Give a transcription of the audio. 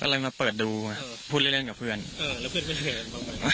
ก็เลยมาเปิดดูเออพูดเล่นเล่นกับเพื่อนเออแล้วเพื่อนเพื่อน